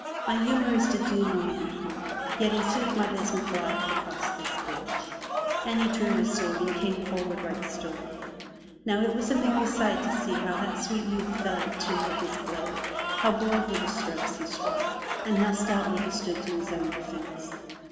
"My humor is to do no man harm, yet in sooth my business lieth across this bridge!" And he drew his sword and came forward right sturdily. Now it was a merry sight to see how that sweet youth fell to with his blade, how bold were the strokes he struck, and how stoutly he stood to his own defence.